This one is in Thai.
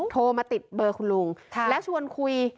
โทรมาติดเบอร์คุณลุงและชวนคุย